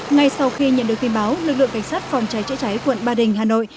ngay sau khi nhận được tin báo lực lượng cảnh sát phòng cháy chữa cháy quận ba đình hà nội